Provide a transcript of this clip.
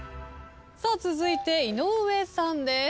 続いて井上さんです。